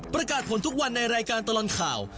ประกาศผลทุกวันในรายการตลอดข่าว